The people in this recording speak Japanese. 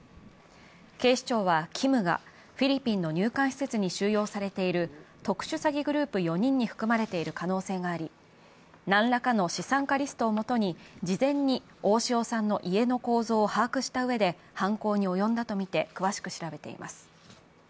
警視庁はＫｉｍがフィリピンの入管施設に収容されている特殊詐欺グループ４人に含まれている可能性があり何らかの資産家リストをもとに事前に大塩さんの家の構造を把握したうえで犯行に及んだとみて詳しく調べています。